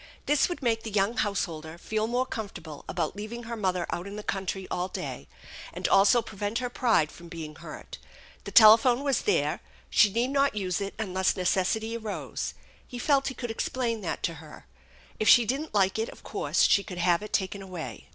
This would make the young householder feel more comfortable about leaving her mother out in the country all day, and also prevent her pride from being hurt. The telephone was there. She need not use it unless necessity arose. He felt he could explain that to her. If she didn't like it, of course she could have it taken away.